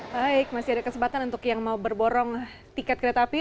baik masih ada kesempatan untuk yang mau berborong tiket kereta api